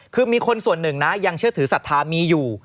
คือมีคนส่วนหนึ่งนะยังเชื่อถือศรัทธามีอยู่